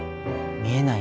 見えない